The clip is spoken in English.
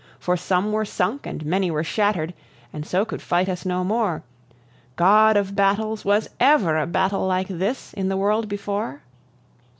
For some were sunk and many were shatter'd, and so could fight us no more God of battles, was ever a battle like this in the world before?